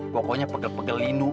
pokoknya pegel pegel ini